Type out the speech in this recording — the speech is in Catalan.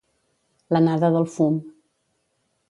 L'anada del fum.